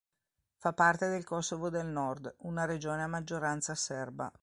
Fa parte del Kosovo del nord, una regione a maggioranza serba.